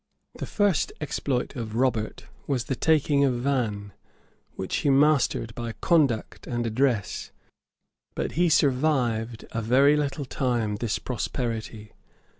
The first exploit of Robert was the taking of Vannes, which he mastered by conduct and address;[*] but he survived a very little time this prosperity.